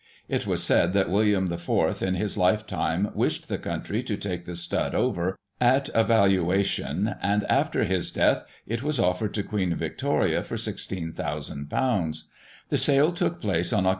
It was said that William IV. in his lifetime wished the country to take the stud over, at a valuation, and, after his death, it was offered to Queen Victoria for ;£" 16,000. The sale took place on Oct.